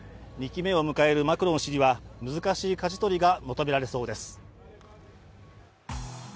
２期目を迎えるマクロン氏には難しいかじ取りが求められそうです。